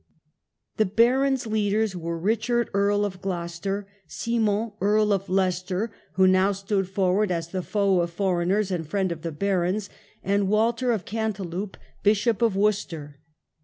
The barons' leaders were Richard, Earl of Gloucester, Simon, Earl of Leicester (who now stood forward as the foe of foreigners and friend of the barons), and Walter of Cantilupe, Bishop of Worcester.